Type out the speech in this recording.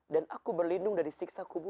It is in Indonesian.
dan aku berlindung dari siksa kubur